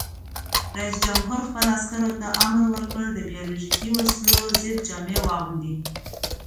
رئیس جمهور خپلو عسکرو ته امر وکړ؛ د بیولوژیکي وسلو ضد جامې واغوندئ!